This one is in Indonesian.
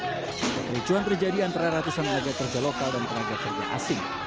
kericuhan terjadi antara ratusan tenaga kerja lokal dan tenaga kerja asing